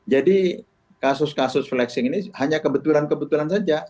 kasus kasus flexing ini hanya kebetulan kebetulan saja